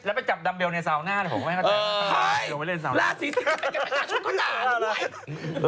แล้วไปจับดัมเบลในซัวร์หน้าผมอะไรล่าศรีสิงค์เละชุกกระต่าล